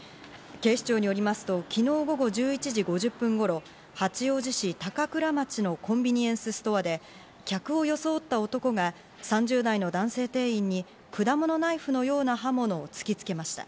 警視庁によりますと昨日午後１１時５０分頃、八王子市高倉町のコンビニエンスストアで客を装った男が３０代の男性店員に果物ナイフのような刃物を突きつけました。